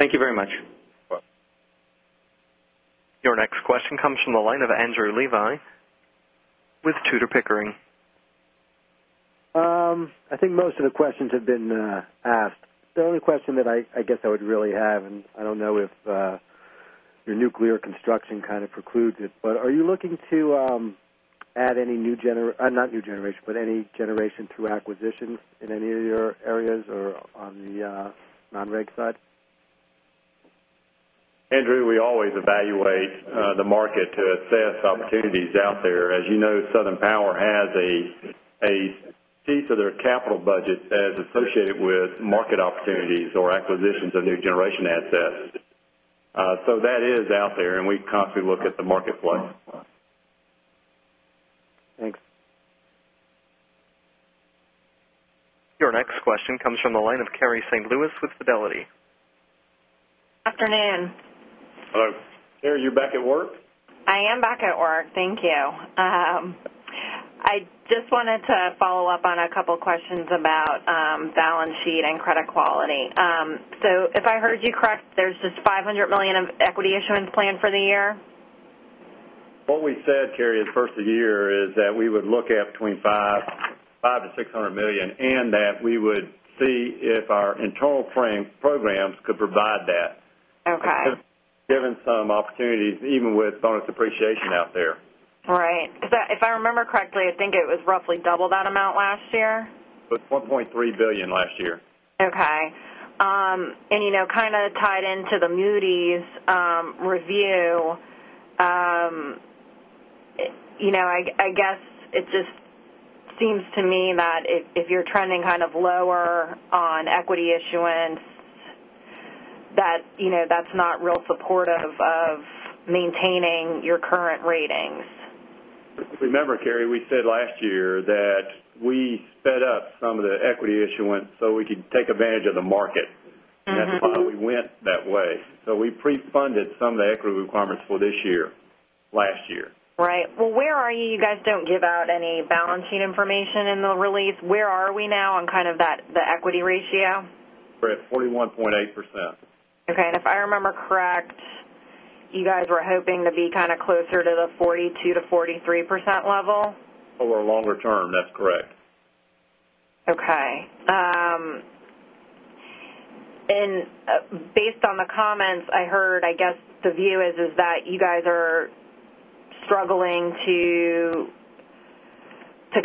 Thank you very much. Your next question comes from the line of Andrew Levi with Tudor, Pickering. I think most of the questions have been asked. The only question that I guess I would really have and I don't know if your nuclear construction kind of precludes it, but are you looking to add any new not new generation, but any generation through acquisitions in any of your areas or on the non reg side? Andrew, we always evaluate the market to assess opportunities out there. As you know, Southern Power has a piece of their capital budget as associated with market opportunities or acquisitions of new generation assets. So that is out there and we constantly look at the marketplace. Thanks. Your next question comes from the line of Kerry St. Louis with Fidelity. Afternoon. Hello. Carrie, you're back at work? I am back at work. Thank you. I just wanted to follow-up on a couple of questions about balance sheet and credit quality. So if I heard you correct, there's just $500,000,000 of equity issuance plan for the year? What we said, Carey, at the 1st of the year is that we would look at between $500,000,000 to $600,000,000 and that we would see if our internal programs could provide that Given some opportunities even with bonus appreciation out there. Right. If I remember correctly, I think it was roughly double that amount last year? But $1,300,000,000 last year. Okay. And kind of tied into the Moody's review, I guess it just seems to me that if you're trending kind of lower on equity issuance that that's not real supportive of maintaining your current ratings? Remember, Carey, we said last year that we sped up some of the equity issuance, so we could take advantage of the market. That's why we went that way. So we prefunded some of the equity requirements for this year, last year. Right. Well, where are you? You guys don't give out any balance sheet information in the release. Where are we now on kind of that the equity ratio? We're at 41.8%. Okay. And if I remember correct, you guys were hoping to be kind of closer to the 42% to 43% level? Over a longer term, that's correct. Okay. And based on the comments I heard, I guess, the view is that you guys are struggling to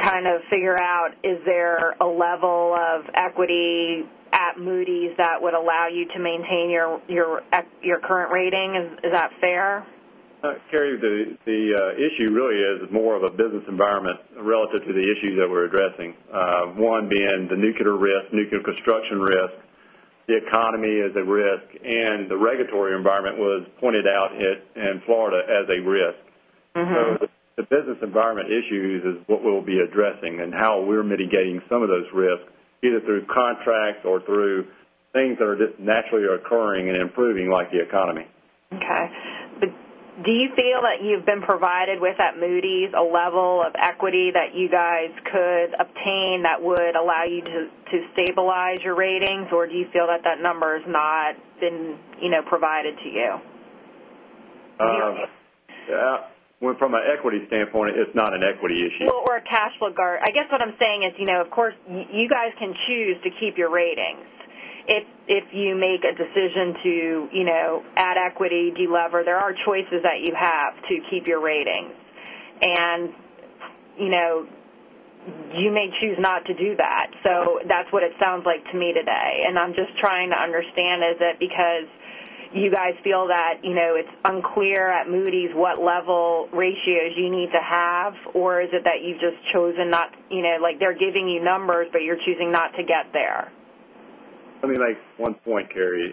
kind of figure out is there a level of equity at Moody's that would allow you to maintain your current rating? Is that fair? Kerry, the issue really is more of a business environment relative to the issues that we're addressing. 1 being the nuclear risk, nuclear construction risk, the economy as a risk and the regulatory environment was pointed out in Florida as a risk. So the business environment issues is what we'll be addressing and how we're mitigating some of those risks either through contracts or through things that are just naturally occurring and improving like the economy. Okay. But do you feel that you've been provided with at Moody's a level of equity that you guys could obtain that would allow you to stabilize your ratings? Or do you feel that that number has not been provided to you? Yes. From an equity standpoint, it's not an equity issue. Well, or cash flow guard. I guess what I'm saying is, of course, you guys can choose to keep your ratings. If you make a decision to add equity, delever, there are choices that you have to keep your ratings. And you may choose not to do that. So that's what it sounds like to me today. And I'm just trying to understand is that because you guys feel that it's unclear at Moody's what level ratios you need to have? Or is it that you've just chosen not like they're giving you numbers, but you're choosing not to get there? Let me make one point, Carey.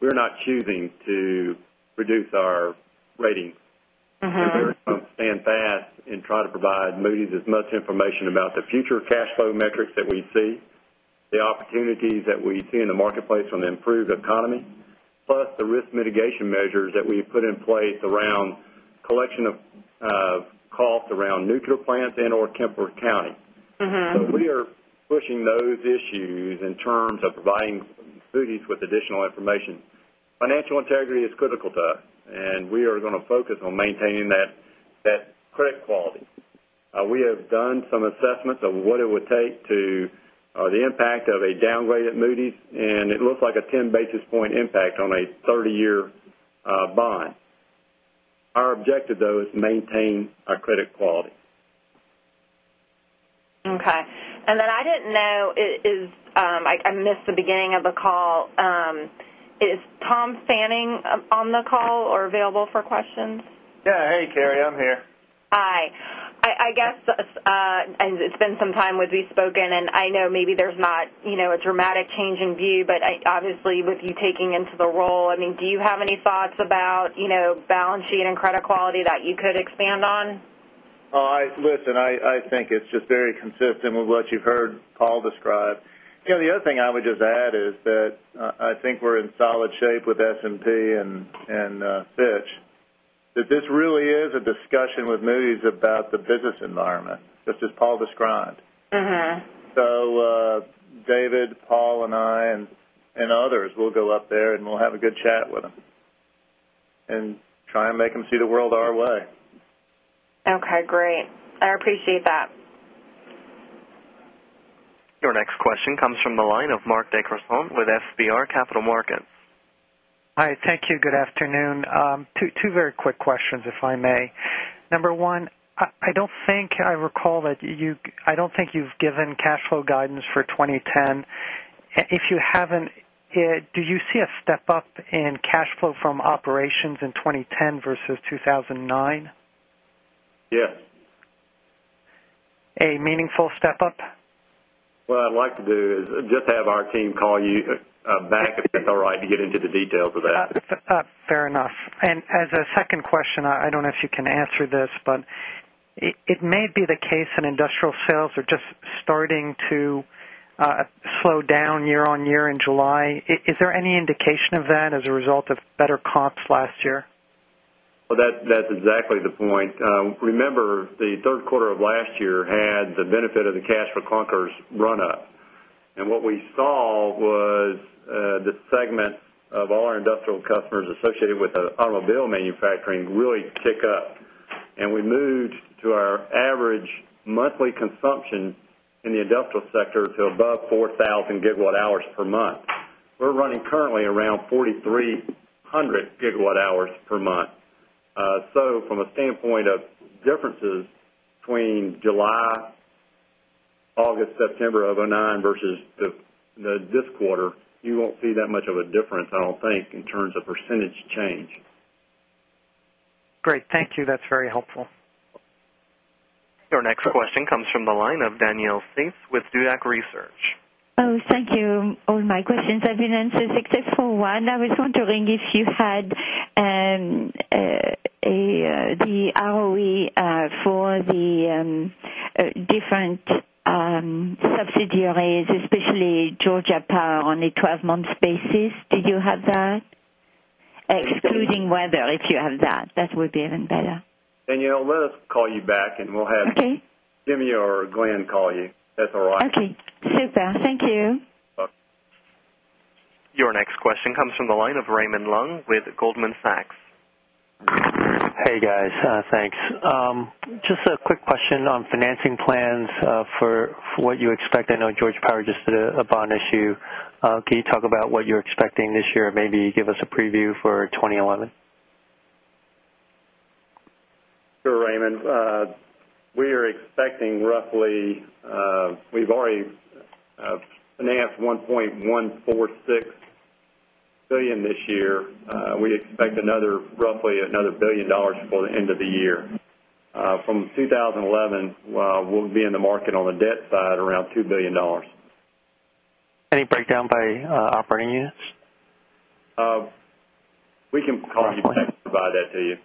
We're not choosing to reduce our ratings. We're very focused on staying fast and try to provide Moody's as much information about the future cash flow metrics that we see, the opportunities that we see in the marketplace on the improved economy, plus the risk mitigation measures that we put in place around collection of costs around nuclear plants and or Kemper County. So we are pushing those issues in terms of providing Moody's with additional information. Financial integrity is critical to us and we are going to focus on maintaining that credit quality. We have done some assessments of what it would take to the impact of a downgrade at Moody's and it looks like a 10 basis point impact on a 30 year bond. Our objective though is to maintain our credit quality. Okay. And then I didn't know is I missed the beginning of the call. Is Tom Fanning on the call or available for questions? Yes. Hey, Carrie, I'm here. Hi. I guess, and it's been some time with we spoken and I know maybe there's not a dramatic change in view, but obviously with you taking into the role, I mean do you have any thoughts about balance sheet and credit quality that you could expand on? Listen, I think it's just very consistent with what you've heard Paul describe. The other thing I would just add is that I think we're in solid shape with S&P and Fitch that this really is a discussion with Moody's about the business environment just as Paul described. So David, Paul and I and others will go up there and we'll have a good chat with them and try and make them see the world our way. Okay, great. I appreciate that. Your next question comes from the line of Marc DeCrosstin with FBR Capital Markets. Hi, thank you. Good afternoon. 2 very quick questions, if I may. Number 1, I don't think I recall that you I don't think you've given cash flow guidance for 2010. If you haven't, do you see a step up in cash flow from operations in 2010 versus 2,009? Yes. A meaningful step up? What I'd like to do is just have our team call you back if it's all right to get into the details of that. Fair enough. And as a second question, I don't know if you can answer this, but it may be the case in industrial sales are just starting to slow down year on year in July. Is there any indication of that as a result of better comps last year? Well, that's exactly the point. Remember, the Q3 of last year had the benefit of the cash for conkers run up. And what we saw was the segment of all our industrial customers associated with automobile manufacturing really tick up. And we moved to our average monthly consumption in the industrial sector to above 4,000 gigawatt hours per month. We're running currently around 4,003 100 gigawatt hours per month. So from a standpoint of differences between July, August, September of 2009 versus this quarter, you won't see that much of a difference, I don't think, in terms of percentage change. Great. Thank you. That's very helpful. Your next question comes from the line of Danielle Cease with Dudek Research. Thank you. All my questions have been answered, except for one. I was wondering if you had the ROE for the different subsidiaries, especially Georgia Power on a 12 month basis, do you have that? Excluding weather, if you have that, that would be even better. Danielle, let us call you back and we'll have Jimmy or Glen call you That's all right. Okay. Super. Thank you. Your next question comes from the line of Raymond Leung with Goldman Sachs. Hey, guys. Thanks. Just a quick question on financing plans for what you expect. I know George Power just did a bond issue. Can you talk about what you're expecting this year? Maybe give us a preview for 2011? Sure, Raymond. We are expecting roughly we've already financed 1.146 $1,000,000,000 this year, we'd expect another roughly another $1,000,000,000 before the end of the year. From 2011, we'll be in the market on the debt side around $2,000,000,000 Any breakdown by operating units? We can call you back to provide that to you.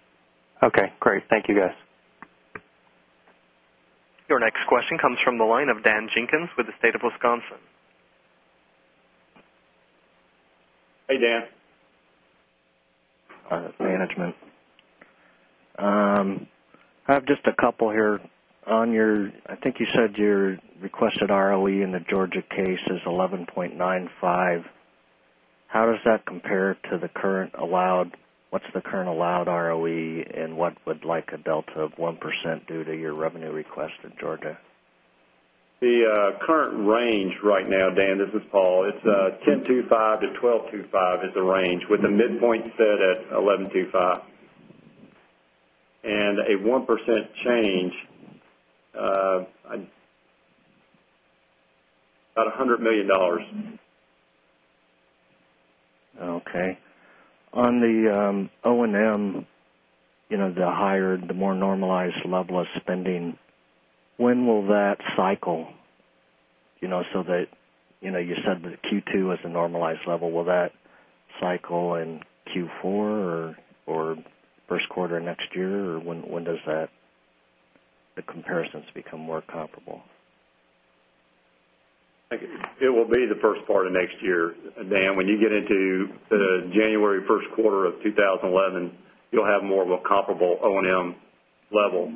Okay, great. Thank you, guys. Your next question comes from the line of Dan Jenkins with the state of Wisconsin. Hey, Dan. Management. I have just a couple here. On your I think you said your requested ROE in the Georgia case is 11.95. How does that compare to the current allowed what's the current allowed ROE? And what would like a delta of 1% due to your revenue request in Georgia? The current range right now, Dan, this is Paul. It's 10.25% to 12.25% is the range with the midpoint set at 11.25 dollars and a 1% change about $100,000,000 Okay. On the O and M, the higher, the more normalized level of spending, when will that cycle? So that you said that Q2 is a normalized level. Will that cycle in Q4 or Q1 next year? Or when does that the comparisons become more comparable? It will be the 1st part of next year, Dan. When you get into the January Q1 of 2011, you'll have more of a comparable O and M level.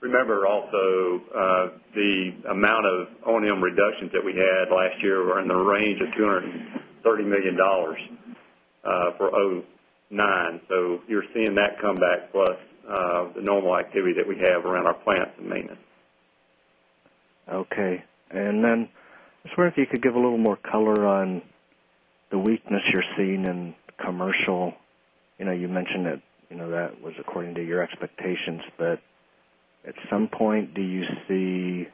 Remember also, the amount of O and M reductions that we had last year were in the range of $230,000,000 for 2009. So you're seeing that come back plus the normal activity that we have around our plants and maintenance. Okay. And then just wondering if you could give a little more color on the weakness you're seeing in commercial. You mentioned that that was according to your expectations. But at some point, do you see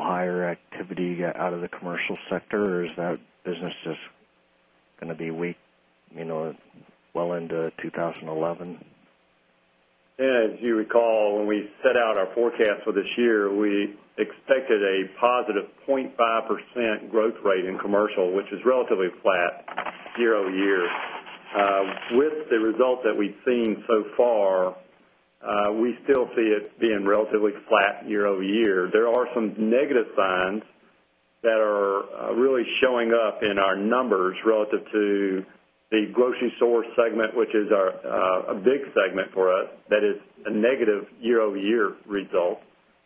higher activity out of the commercial sector? Or is that business just going to be weak well into 2011? Yes. As you recall, when we set out our forecast for this year, we expected a positive 0.5% growth rate in commercial, which is relatively flat year over year. With the results that we've seen so far, we still see it being relatively flat year over year. There are some negative signs that are really showing up in our numbers relative to the grocery stores segment, which is a big segment for us that is a negative year over year result.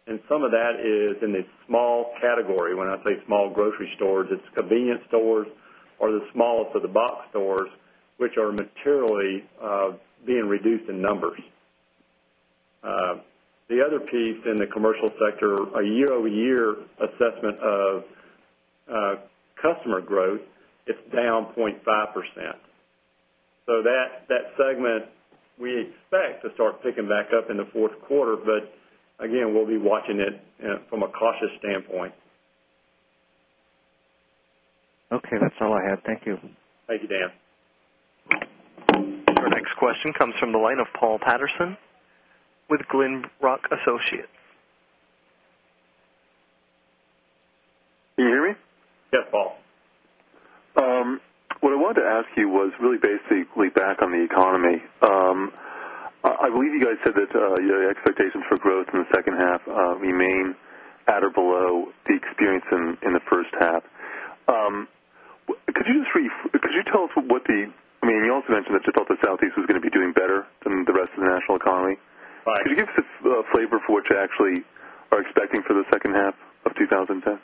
And some of that is in the small category. When I say small grocery stores, it's convenience stores or the smallest of the box stores, which are materially being reduced in numbers. The other piece in the commercial sector, a year over year assessment of customer growth, it's down 0.5%. So that segment, we expect to start picking back up in the Q4, but again, we'll be watching it from a cautious standpoint. Okay. That's all I had. Thank you. Thank you, Dan. Your next question comes from the line of Paul Patterson with Glenrock Associates. Can you hear me? Yes, Paul. What I wanted to ask you was really basically back on the economy. I believe you guys said that your expectations for growth in the second half remain at or below the experience in the first half. Could you just tell us what the I mean you also mentioned that you thought that Southeast was going to be doing better than the rest of the national economy. Could you give us a flavor for what you actually are expecting for the second half of twenty ten?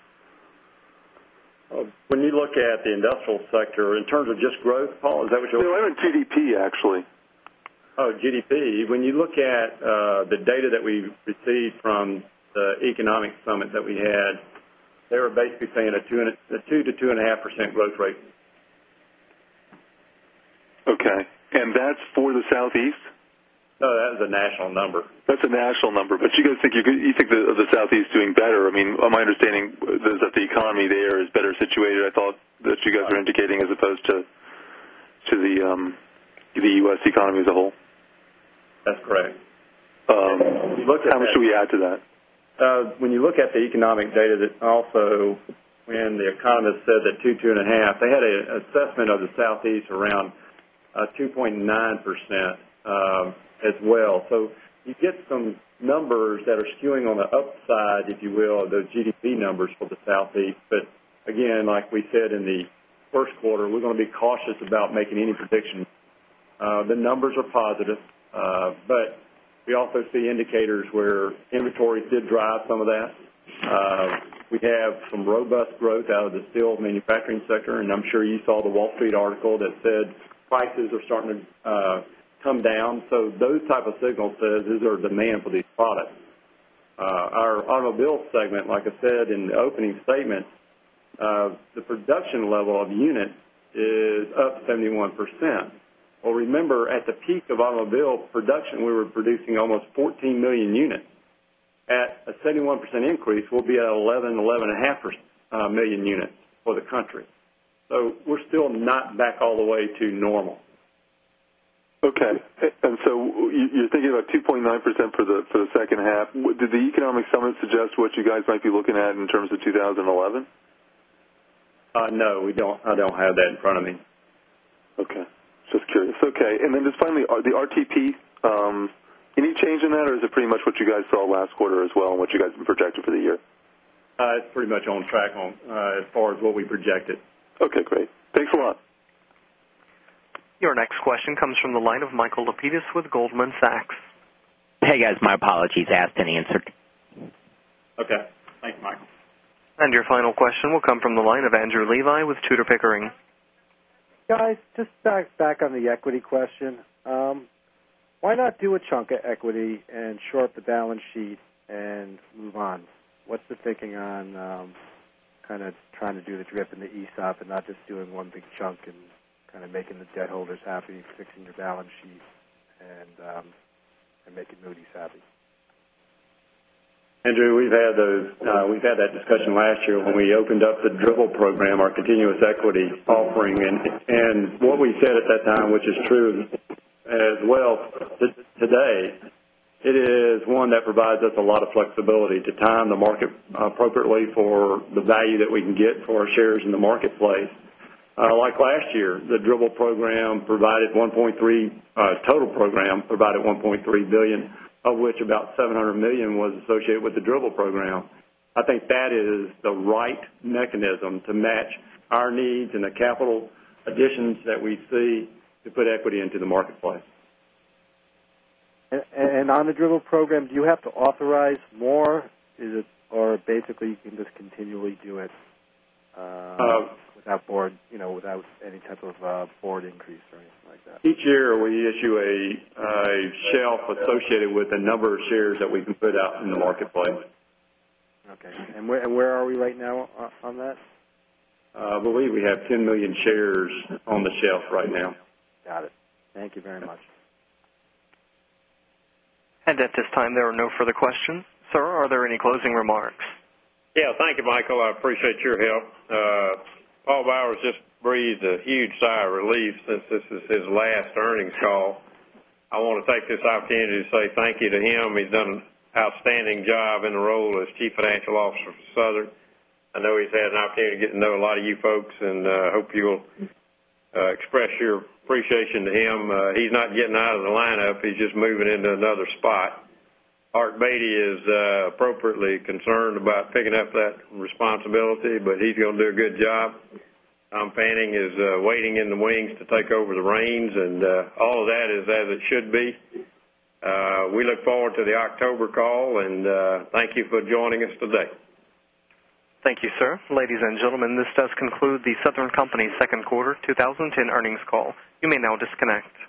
When you look at the industrial sector, in terms of just growth, Paul, is that what you're No, I'm in GDP actually. GDP. When you look at the data that we received from the economic summit that we had, they were basically saying a 2% to 2.5% growth rate. Okay. And that's for the Southeast? No, that's a national number. That's a national number. But you guys think you think the Southeast doing better. I mean, my understanding is that the economy there is better situated, I thought, that you guys are indicating as opposed to the U. S. Economy as a whole? That's correct. How much should we add to that? When you look at the economic data that also and The Economist said that 2%, 2.5%, they had an assessment of the Southeast around 2.9% as well. So you get some numbers that are skewing on the upside, if you will, of the GDP numbers for the Southeast. But again, like we said in the Q1, we're going to be cautious about making any prediction. The numbers are positive, but we also see indicators where inventory did drive some of that. We have some robust growth out of the steel manufacturing sector and I'm sure you saw the Wall Street article that said prices are starting to come down. So those type of signals says is there a demand for these products. Our Automobile segment, like I said in the opening statement, the production level of unit is up 71%. Well, remember at the peak of automobile production, we were producing almost 14,000,000 units. At a 71% increase, we'll be at 11000000, 11.5 1000000 units for the country. So we're still not back all the way to normal. Okay. And so you're thinking about 2.9% for the second half. Did the economic summits suggest what you guys might be looking at in terms of 2011? No, we don't. I don't have that in front of me. Okay. Just curious. Okay. And then just finally, are the RTP, any change in that? Or is it pretty much what you guys saw last quarter as well and what you guys have been projecting for the year? It's pretty much on track as far as what we projected. Okay, great. Thanks a lot. Your next question comes from the line of Michael Lapides with Goldman Sachs. Hey guys, my apologies. I asked and answered. Okay. Thanks, Michael. And your final question will come from the line of Andrew Levi with Tudor, Pickering. Guys, just back on the equity question. Why not do a chunk of equity and short the balance sheet and move on? What's the thinking on kind of trying to do the drip in the ESOP and not just doing one big chunk and kind of making the debt holders happy fixing your balance sheet and make it Moody savvy? Andrew, we've had those we've had that discussion last year when we opened up the Dribble program, our continuous equity offering. And what we said at that time, which is true as well today, it is one that provides us a lot of flexibility to time the market appropriately for the value that we can get for our shares in the marketplace. Like last year, the dribble program provided 1.3 total program provided $1,300,000,000 of which about $700,000,000 was associated with the dribble program. I think that is the right mechanism to match our needs and the capital additions that we see to put equity into the marketplace. And on the dribble program, do you have to authorize more? Is it or basically you can just continually do it without any type of a Board increase or anything like that? Each year, we issue a shelf associated with a number of shares that we can put out in the marketplace. Okay. And where are we right now on that? I believe we have 10,000,000 shares on the shelf right now. Got it. Thank you very much. And at this time, there are no further questions. Sir, are there any closing remarks? Yes. Thank you, Michael. I appreciate your help. Paul Bower has just breathed a huge sigh of relief since this is his last earnings call. I want to take this opportunity to say thank you to him. He's done an outstanding job in the role as Chief Financial Officer for Southern. I know he's had an opportunity to get to know a lot of you folks and hope you will express your appreciation to him. He's not getting out of the lineup. He's just moving into another spot. Art Beatty is appropriately concerned about picking up that responsibility, but he's going to do a good job. I'm planning his waiting in the wings to take over the reins and all of that is as it should be. We look forward to the October call and thank you for joining us today. Thank you, sir. Ladies and gentlemen, this does conclude The Southern Company's 2nd quarter 2010 earnings call. You may now disconnect.